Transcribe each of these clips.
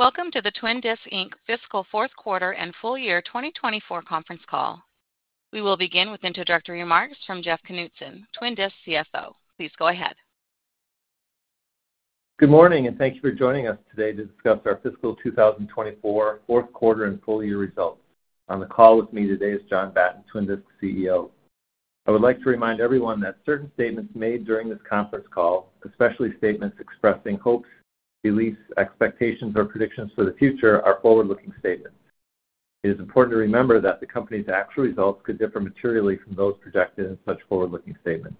Welcome to the Twin Disc, Inc. fiscal fourth quarter and full year 2024 conference call. We will begin with introductory remarks from Jeff Knutson, Twin Disc CFO. Please go ahead. Good morning, and thank you for joining us today to discuss our fiscal 2024 fourth quarter and full year results. On the call with me today is John Batten, Twin Disc CEO. I would like to remind everyone that certain statements made during this conference call, especially statements expressing hopes, beliefs, expectations, or predictions for the future, are forward-looking statements. It is important to remember that the company's actual results could differ materially from those projected in such forward-looking statements.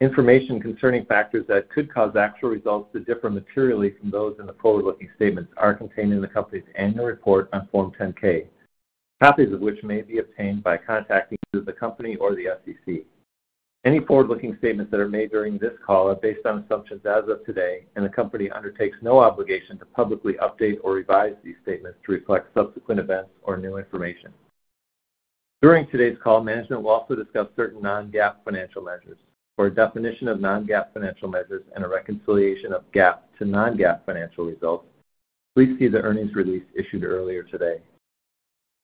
Information concerning factors that could cause actual results to differ materially from those in the forward-looking statements are contained in the company's annual report on Form 10-K, copies of which may be obtained by contacting either the company or the SEC. Any forward-looking statements that are made during this call are based on assumptions as of today, and the company undertakes no obligation to publicly update or revise these statements to reflect subsequent events or new information. During today's call, management will also discuss certain non-GAAP financial measures. For a definition of non-GAAP financial measures and a reconciliation of GAAP to non-GAAP financial results, please see the earnings release issued earlier today.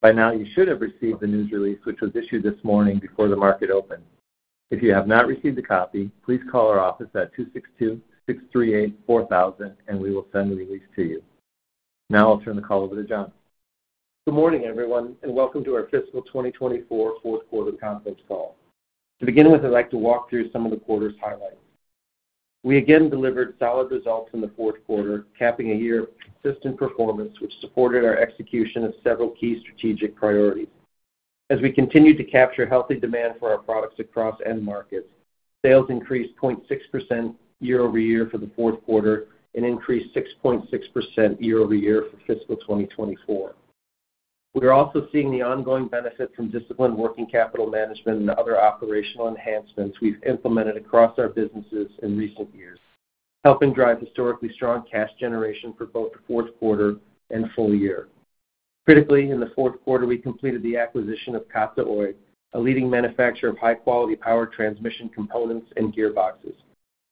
By now, you should have received the news release, which was issued this morning before the market opened. If you have not received a copy, please call our office at 262-638-4000, and we will send the release to you. Now I'll turn the call over to John. Good morning, everyone, and welcome to our fiscal 2024 fourth quarter conference call. To begin with, I'd like to walk through some of the quarter's highlights. We again delivered solid results in the fourth quarter, capping a year of consistent performance, which supported our execution of several key strategic priorities. As we continued to capture healthy demand for our products across end markets, sales increased 0.6% year-over-year for the fourth quarter and increased 6.6% year-over-year for fiscal 2024. We are also seeing the ongoing benefit from disciplined working capital management and other operational enhancements we've implemented across our businesses in recent years, helping drive historically strong cash generation for both the fourth quarter and full year. Critically, in the fourth quarter, we completed the acquisition of Katsa Oy, a leading manufacturer of high-quality power transmission components and gearboxes.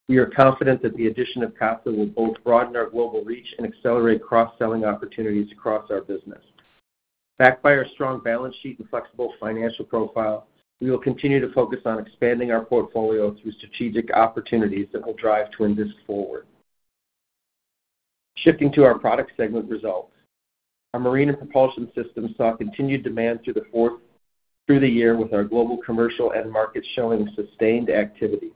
We are confident that the addition of Katsa will both broaden our global reach and accelerate cross-selling opportunities across our business. Backed by our strong balance sheet and flexible financial profile, we will continue to focus on expanding our portfolio through strategic opportunities that will drive Twin Disc forward. Shifting to our product segment results. Our marine and propulsion systems saw continued demand through the year with our global commercial end markets showing sustained activity.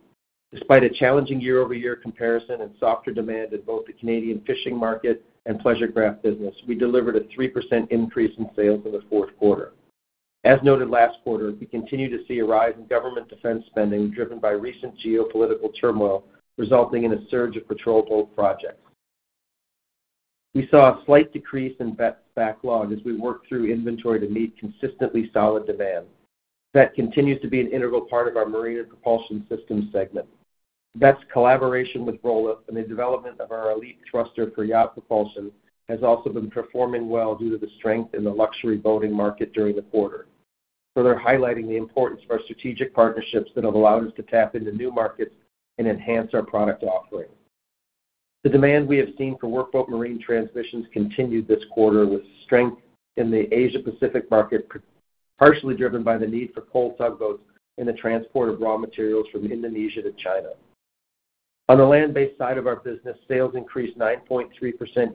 Despite a challenging year-over-year comparison and softer demand in both the Canadian fishing market and pleasure craft business, we delivered a 3% increase in sales in the fourth quarter. As noted last quarter, we continue to see a rise in government defense spending, driven by recent geopolitical turmoil, resulting in a surge of patrol boat projects. We saw a slight decrease in VET backlog as we worked through inventory to meet consistently solid demand. VET continues to be an integral part of our marine and propulsion systems segment. VET's collaboration with Rolla in the development of our elite thruster for yacht propulsion has also been performing well due to the strength in the luxury boating market during the quarter. Further highlighting the importance of our strategic partnerships that have allowed us to tap into new markets and enhance our product offering. The demand we have seen for workboat marine transmissions continued this quarter, with strength in the Asia Pacific market, partially driven by the need for coal tugboats in the transport of raw materials from Indonesia to China. On the land-based side of our business, sales increased 9.3%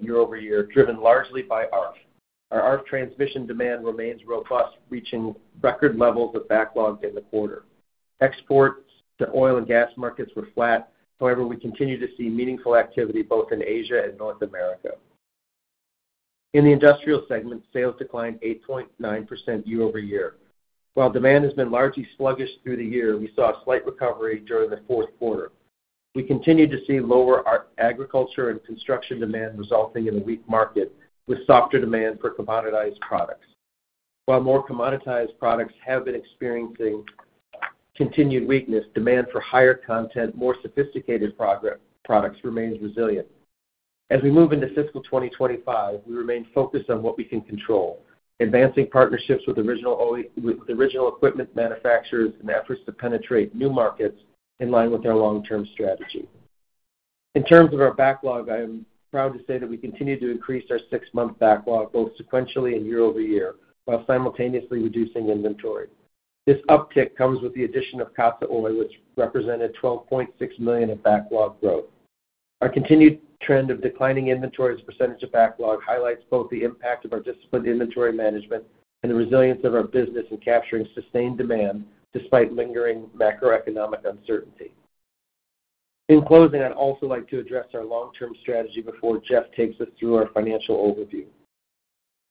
year-over-year, driven largely by ARFF. Our ARFF transmission demand remains robust, reaching record levels of backlog in the quarter. Exports to oil and gas markets were flat. However, we continue to see meaningful activity both in Asia and North America. In the industrial segment, sales declined 8.9% year-over-year. While demand has been largely sluggish through the year, we saw a slight recovery during the fourth quarter. We continued to see lower agriculture and construction demand, resulting in a weak market, with softer demand for commoditized products. While more commoditized products have been experiencing continued weakness, demand for higher content, more sophisticated products remains resilient. As we move into fiscal 2025, we remain focused on what we can control, advancing partnerships with original equipment manufacturers and efforts to penetrate new markets in line with our long-term strategy. In terms of our backlog, I am proud to say that we continue to increase our six-month backlog, both sequentially and year-over-year, while simultaneously reducing inventory. This uptick comes with the addition of Katsa Oy, which represented $12.6 million in backlog growth. Our continued trend of declining inventory as a percentage of backlog highlights both the impact of our disciplined inventory management and the resilience of our business in capturing sustained demand despite lingering macroeconomic uncertainty. In closing, I'd also like to address our long-term strategy before Jeff takes us through our financial overview.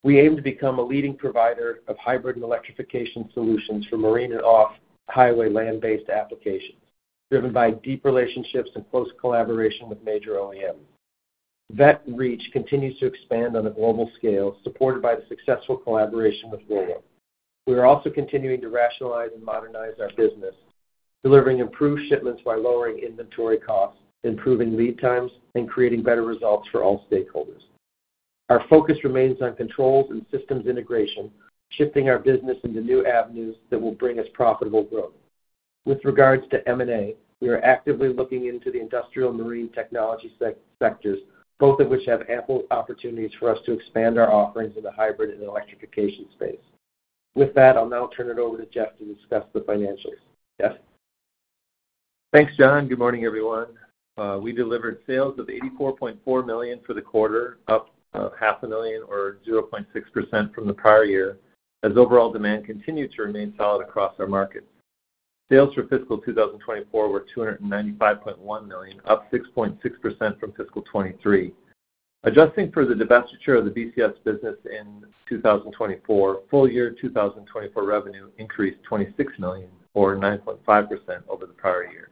We aim to become a leading provider of hybrid and electrification solutions for marine and off-highway land-based applications, driven by deep relationships and close collaboration with major OEMs. Veth Reach continues to expand on a global scale, supported by the successful collaboration with Rolla. We are also continuing to rationalize and modernize our business, delivering improved shipments by lowering inventory costs, improving lead times, and creating better results for all stakeholders. Our focus remains on controls and systems integration, shifting our business into new avenues that will bring us profitable growth.... With regards to M&A, we are actively looking into the industrial marine technology sectors, both of which have ample opportunities for us to expand our offerings in the hybrid and electrification space. With that, I'll now turn it over to Jeff to discuss the financials. Jeff? Thanks, John. Good morning, everyone. We delivered sales of $84.4 million for the quarter, up $0.5 million or 0.6% from the prior year, as overall demand continued to remain solid across our markets. Sales for fiscal 2024 were $295.1 million, up 6.6% from fiscal 2023. Adjusting for the divestiture of the BCS business in 2024, full year 2024 revenue increased $26 million or 9.5% over the prior year.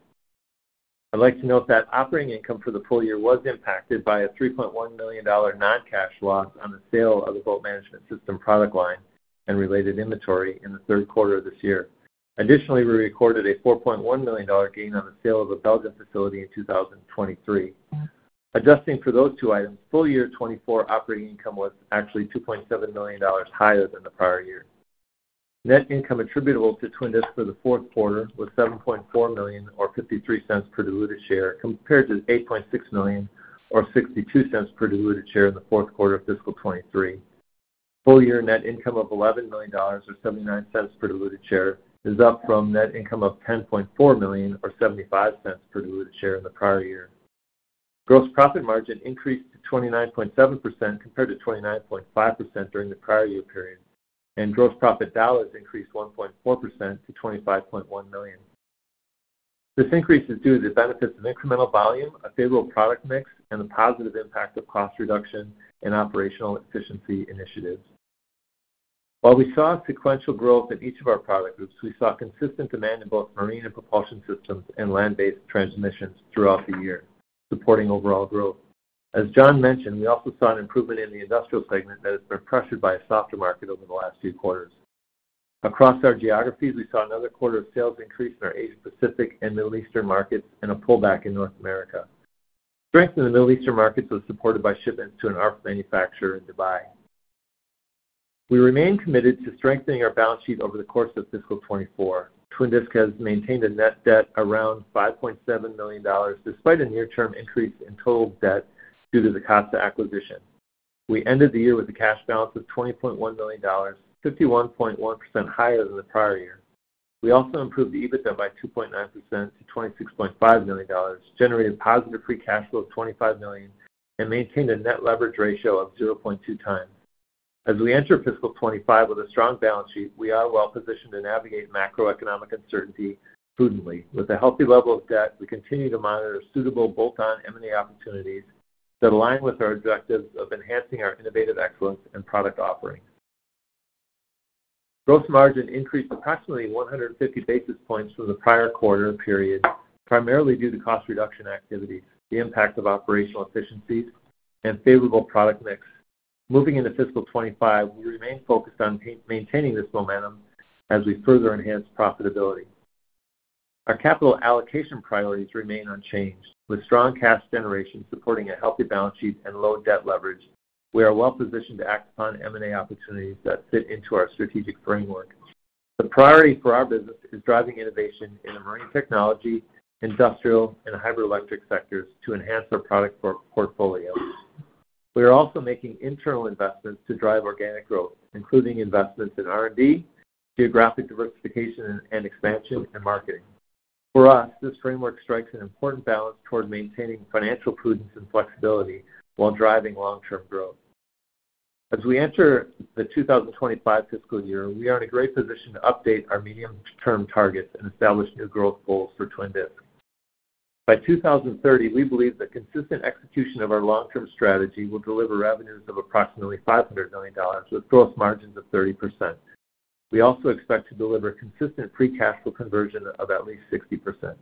I'd like to note that operating income for the full year was impacted by a $3.1 million non-cash loss on the sale of the Boat Management System product line and related inventory in the third quarter of this year. Additionally, we recorded a $4.1 million gain on the sale of a Belgian facility in 2023. Adjusting for those two items, full year 2024 operating income was actually $2.7 million higher than the prior year. Net income attributable to Twin Disc for the fourth quarter was $7.4 million or $0.53 per diluted share, compared to $8.6 million or $0.62 per diluted share in the fourth quarter of fiscal 2023. Full year net income of $11 million, or $0.79 per diluted share, is up from net income of $10.4 million or $0.75 per diluted share in the prior year. Gross profit margin increased to 29.7% compared to 29.5% during the prior year period, and gross profit dollars increased 1.4% to $25.1 million. This increase is due to the benefits of incremental volume, a favorable product mix, and the positive impact of cost reduction and operational efficiency initiatives. While we saw sequential growth in each of our product groups, we saw consistent demand in both marine and propulsion systems and land-based transmissions throughout the year, supporting overall growth. As John mentioned, we also saw an improvement in the industrial segment that has been pressured by a softer market over the last few quarters. Across our geographies, we saw another quarter of sales increase in our Asia Pacific and Middle East markets and a pullback in North America. Strength in the Middle Eastern markets was supported by shipments to an ARFF manufacturer in Dubai. We remain committed to strengthening our balance sheet over the course of fiscal 2024. Twin Disc has maintained a net debt around $5.7 million, despite a near-term increase in total debt due to the Katsa acquisition. We ended the year with a cash balance of $20.1 million, 51.1% higher than the prior year. We also improved EBITDA by 2.9% to $26.5 million, generated positive free cash flow of $25 million, and maintained a net leverage ratio of 0.2 times. As we enter fiscal 2025 with a strong balance sheet, we are well positioned to navigate macroeconomic uncertainty prudently. With a healthy level of debt, we continue to monitor suitable bolt-on M&A opportunities that align with our objectives of enhancing our innovative excellence and product offerings. Gross margin increased approximately 150 basis points from the prior quarter period, primarily due to cost reduction activity, the impact of operational efficiencies, and favorable product mix. Moving into fiscal 2025, we remain focused on maintaining this momentum as we further enhance profitability. Our capital allocation priorities remain unchanged. With strong cash generation supporting a healthy balance sheet and low debt leverage, we are well positioned to act upon M&A opportunities that fit into our strategic framework. The priority for our business is driving innovation in the marine technology, industrial, and hydroelectric sectors to enhance our product portfolio. We are also making internal investments to drive organic growth, including investments in R&D, geographic diversification and expansion, and marketing. For us, this framework strikes an important balance toward maintaining financial prudence and flexibility while driving long-term growth. As we enter the 2025 fiscal year, we are in a great position to update our medium-term targets and establish new growth goals for Twin Disc. By 2030, we believe that consistent execution of our long-term strategy will deliver revenues of approximately $500 million, with gross margins of 30%. We also expect to deliver consistent free cash flow conversion of at least 60%.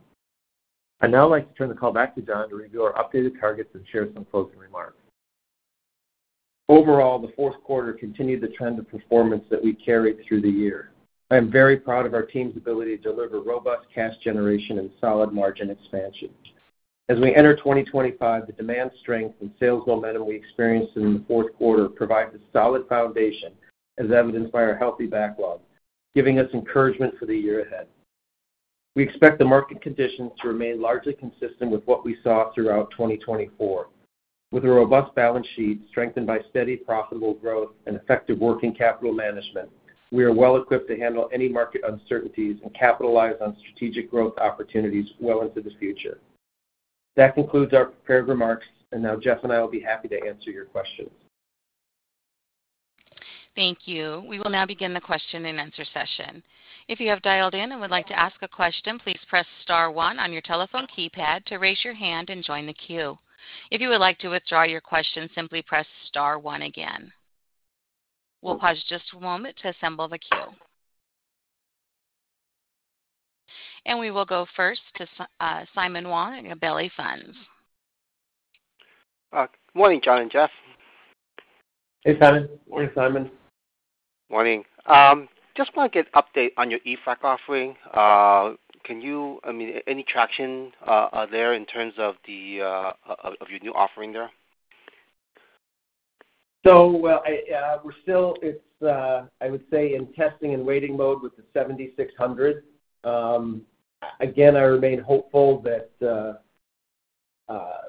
I'd now like to turn the call back to John to review our updated targets and share some closing remarks. Overall, the fourth quarter continued the trend of performance that we carried through the year. I am very proud of our team's ability to deliver robust cash generation and solid margin expansion. As we enter 2025, the demand strength and sales momentum we experienced in the fourth quarter provides a solid foundation, as evidenced by our healthy backlog, giving us encouragement for the year ahead. We expect the market conditions to remain largely consistent with what we saw throughout 2024. With a robust balance sheet, strengthened by steady, profitable growth and effective working capital management, we are well equipped to handle any market uncertainties and capitalize on strategic growth opportunities well into the future. That concludes our prepared remarks, and now Jeff and I will be happy to answer your questions. Thank you. We will now begin the question-and-answer session. If you have dialed in and would like to ask a question, please press star one on your telephone keypad to raise your hand and join the queue. If you would like to withdraw your question, simply press star one again. We'll pause just a moment to assemble the queue. And we will go first to Simon Wong at Gabelli Funds. Good morning, John and Jeff. Hey, Simon. Morning, Simon. Morning. Just want to get an update on your eFrac offering. Can you—I mean, any traction there in terms of the of your new offering there? ...So, well, we're still in testing and waiting mode with the 7600. Again, I remain hopeful that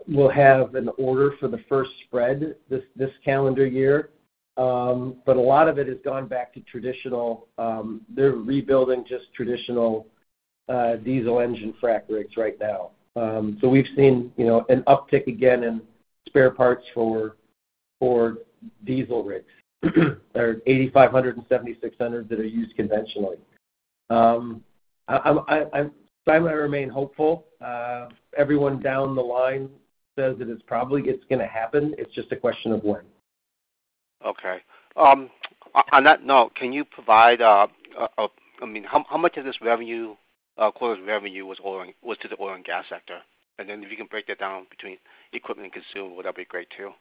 we'll have an order for the first spread this calendar year. But a lot of it has gone back to traditional; they're rebuilding just traditional diesel engine frack rigs right now. So we've seen, you know, an uptick again in spare parts for diesel rigs, or 8500 and 7600 that are used conventionally. Simon, I remain hopeful. Everyone down the line says that it's probably it's gonna happen. It's just a question of when. Okay. On that note, can you provide, I mean, how much of this quarter's revenue was to the oil and gas sector? And then if you can break that down between equipment and consumer, well, that'd be great too.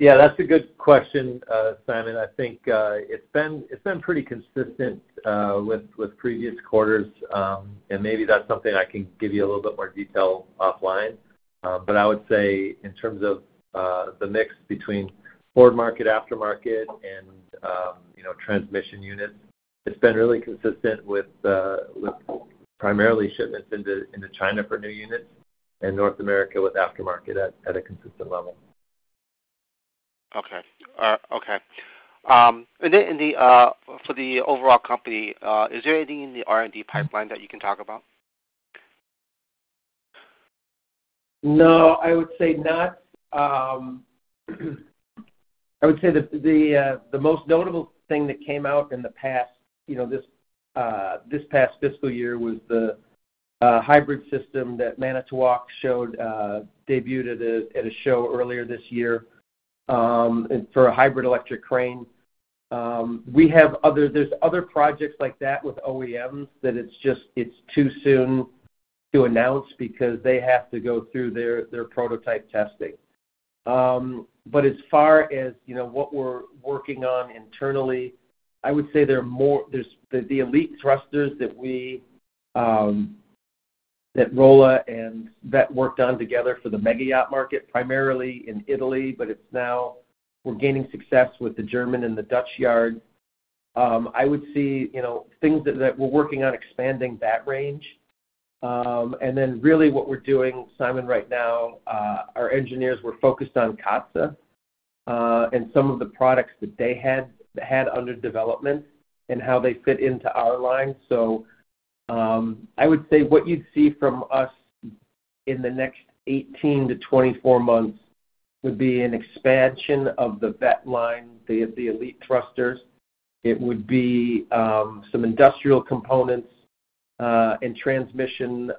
Yeah, that's a good question, Simon. I think it's been pretty consistent with previous quarters. Maybe that's something I can give you a little bit more detail offline. But I would say in terms of the mix between forward market, aftermarket, and you know, transmission units, it's been really consistent with primarily shipments into China for new units and North America with aftermarket at a consistent level. Okay. Okay. And then, for the overall company, is there anything in the R&D pipeline that you can talk about? No, I would say not. I would say that the most notable thing that came out in the past, you know, this past fiscal year was the hybrid system that Manitowoc showed, debuted at a show earlier this year, and for a hybrid electric crane. We have other projects like that with OEMs that it's just too soon to announce because they have to go through their prototype testing. But as far as, you know, what we're working on internally, I would say there are more. There's the Elite Thrusters that Veth and Rolla worked on together for the mega-yacht market, primarily in Italy, but now we're gaining success with the German and the Dutch yard. I would see, you know, things that we're working on expanding that range. And then really what we're doing, Simon, right now, our engineers were focused on Katsa, and some of the products that they had under development and how they fit into our line. So, I would say what you'd see from us in the next 18-24 months would be an expansion of the VET line, the Elite Thrusters. It would be some industrial components, and transmission,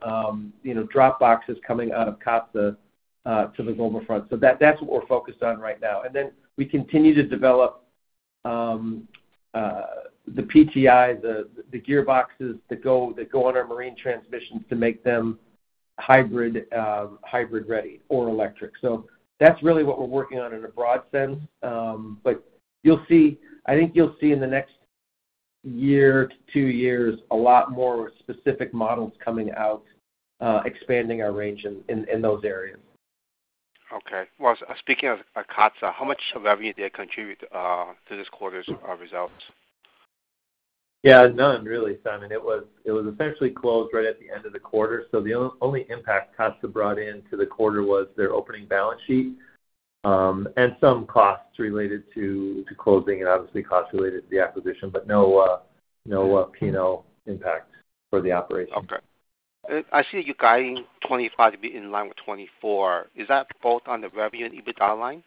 you know, drop boxes coming out of Katsa, to the global front. So that, that's what we're focused on right now. And then we continue to develop the PTI, the gearboxes that go on our marine transmissions to make them hybrid, hybrid-ready or electric. So that's really what we're working on in a broad sense. But you'll see, I think you'll see in the next year to 2 years, a lot more specific models coming out, expanding our range in, in, in those areas. Okay. Well, speaking of Katsa, how much revenue did they contribute to this quarter's results? Yeah, none really, Simon. It was essentially closed right at the end of the quarter, so the only impact Katsa brought in to the quarter was their opening balance sheet, and some costs related to closing and obviously costs related to the acquisition, but no P&L impact for the operation. Okay. I see you guiding 25 to be in line with 24. Is that both on the revenue and EBITDA line?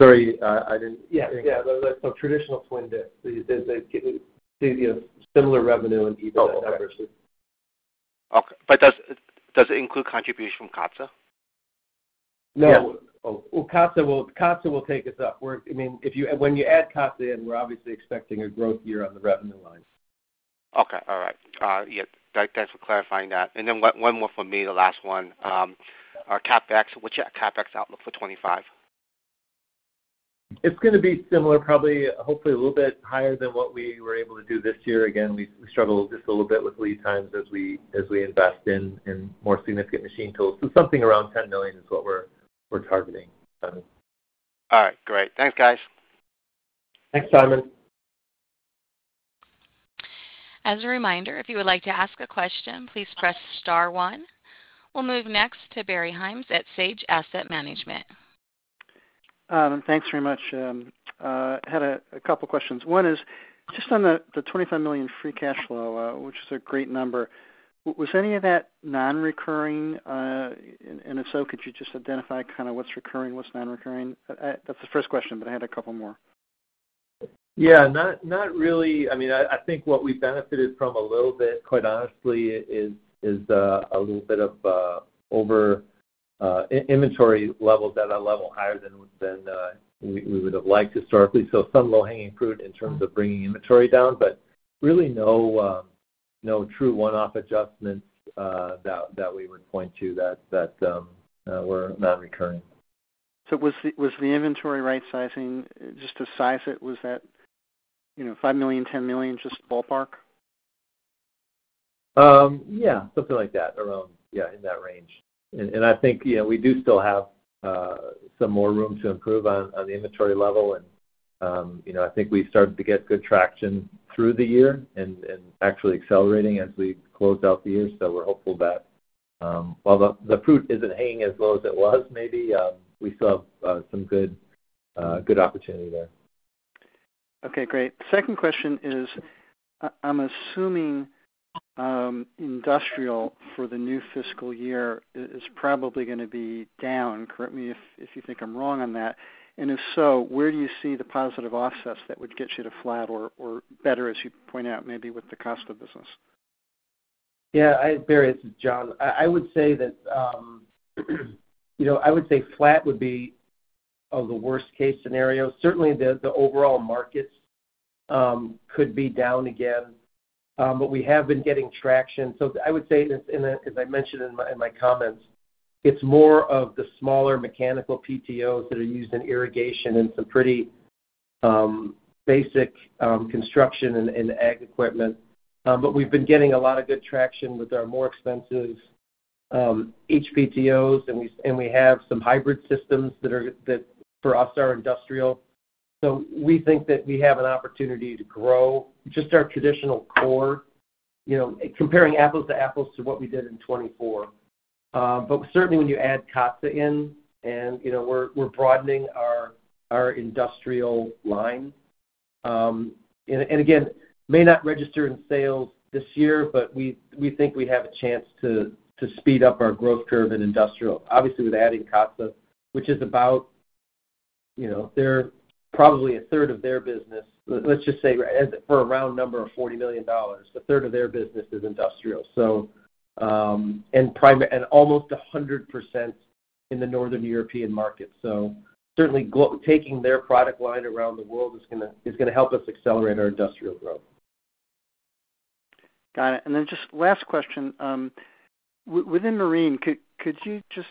Sorry, I didn't. Yeah, yeah, the traditional Twin Disc, the similar revenue and EBITDA numbers. Okay. But does it include contribution from Katsa? No. Yeah. Well, Katsa will take us up. We're, I mean, if you, when you add Katsa in, we're obviously expecting a growth year on the revenue line. Okay. All right. Yeah, thanks for clarifying that. And then one more from me, the last one. Our CapEx, what's your CapEx outlook for 2025? It's gonna be similar, probably, hopefully, a little bit higher than what we were able to do this year. Again, we struggled just a little bit with lead times as we, as we invest in, in more significant machine tools. So something around $10 million is what we're, we're targeting, Simon. All right, great. Thanks, guys. Thanks, Simon. As a reminder, if you would like to ask a question, please press Star one. We'll move next to Barry Himes at Bonhoeffer Capital Management. Thanks very much. Had a couple questions. One is, just on the $25 million free cash flow, which is a great number, was any of that non-recurring? And if so, could you just identify kind of what's recurring, what's non-recurring? That's the first question, but I had a couple more. Yeah, not really. I mean, I think what we benefited from a little bit, quite honestly, is a little bit of over inventory levels that are higher than we would have liked historically. So some low-hanging fruit in terms of bringing inventory down, but really no true one-off adjustments that we would point to that were non-recurring.... So was the, was the inventory right-sizing, just to size it, was that, you know, $5 million, $10 million, just ballpark? Yeah, something like that. Around, yeah, in that range. And I think, you know, we do still have some more room to improve on the inventory level. And, you know, I think we've started to get good traction through the year and actually accelerating as we close out the year. So we're hopeful that, while the fruit isn't hanging as low as it was, maybe, we still have some good opportunity there. Okay, great. Second question is, I'm assuming industrial for the new fiscal year is probably gonna be down. Correct me if you think I'm wrong on that. And if so, where do you see the positive offsets that would get you to flat or better, as you point out, maybe with the Katsa business? Yeah, Barry, this is John. I would say that, you know, I would say flat would be the worst case scenario. Certainly, the overall markets could be down again. But we have been getting traction. So I would say this, and as I mentioned in my, in my comments, it's more of the smaller mechanical PTOs that are used in irrigation and some pretty basic construction and ag equipment. But we've been getting a lot of good traction with our more expensive HPTOs, and we, and we have some hybrid systems that are, that for us, are industrial. So we think that we have an opportunity to grow just our traditional core, you know, comparing apples to apples to what we did in 2024. But certainly, when you add Katsa in and, you know, we're broadening our industrial line. And again, may not register in sales this year, but we think we have a chance to speed up our growth curve in industrial. Obviously, with adding Katsa, which is about, you know, they're probably a third of their business. Let's just say for a round number of $40 million, a third of their business is industrial. So, and primarily and almost 100% in the Northern European market. So certainly, globally taking their product line around the world is gonna help us accelerate our industrial growth. Got it. And then just last question. Within marine, could you just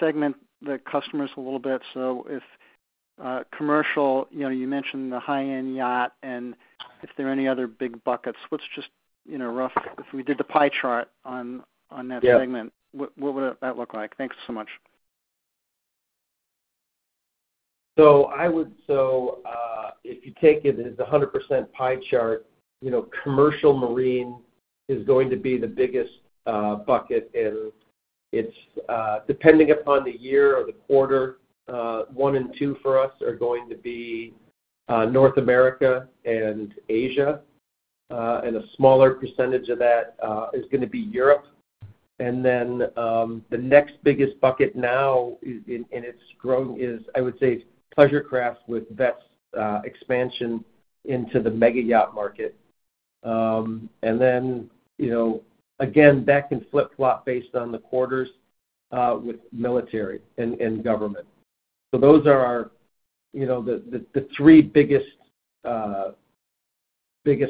segment the customers a little bit? So if commercial, you know, you mentioned the high-end yacht, and if there are any other big buckets, what's just, you know, rough—if we did the pie chart on that- Yeah... segment, what, what would that look like? Thanks so much. So, if you take it as a 100% pie chart, you know, commercial marine is going to be the biggest bucket, and it's, depending upon the year or the quarter, one and two for us are going to be North America and Asia. And a smaller percentage of that is gonna be Europe. And then, the next biggest bucket now is, and it's growing, is, I would say, pleasure craft with Veth's expansion into the mega yacht market. And then, you know, again, that can flip-flop based on the quarters with military and government. So those are our, you know, the three biggest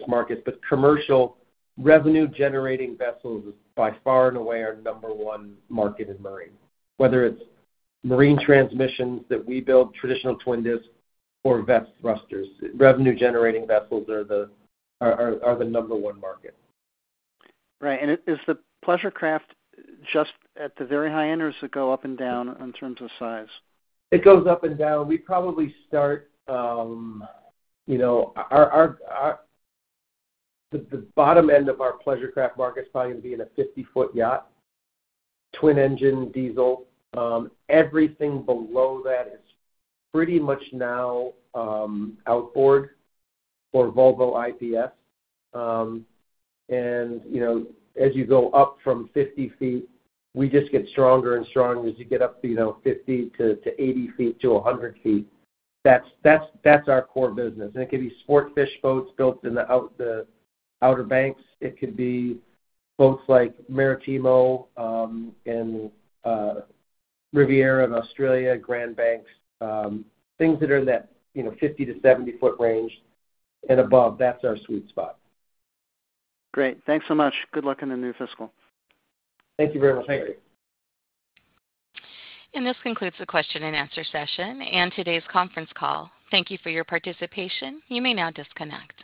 markets. But commercial revenue generating vessels is by far and away our number one market in marine. Whether it's marine transmissions that we build, traditional Twin Discs or Veth thrusters, revenue generating vessels are the number one market. Right. And is the pleasure craft just at the very high end, or does it go up and down in terms of size? It goes up and down. We probably start you know our. The bottom end of our pleasure craft market is probably gonna be in a 50-foot yacht, twin-engine diesel. Everything below that is pretty much now outboard or Volvo IPS. And, you know, as you go up from 50 feet, we just get stronger and stronger. As you get up to, you know, 50-80 feet to 100 feet, that's our core business. And it could be sportfish boats built in the Outer Banks. It could be boats like Maritimo and Riviera in Australia, Grand Banks, things that are in that, you know, 50-70 foot range and above. That's our sweet spot. Great. Thanks so much. Good luck in the new fiscal. Thank you very much, Barry. This concludes the question and answer session and today's conference call. Thank you for your participation. You may now disconnect.